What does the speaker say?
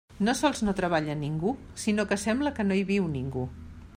No sols no treballa ningú, sinó que sembla que no hi viu ningú.